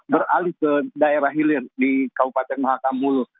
beralih ke daerah hilir di kabupaten mahakam mulut